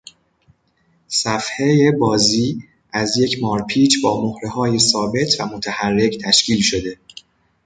صفحه بازی از یک مارپیچ با مهرههای ثابت و متحرک تشکیل شده.